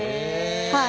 はい。